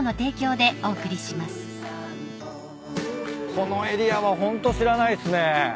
このエリアはホント知らないっすね。